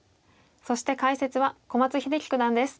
そして解説は小松英樹九段です。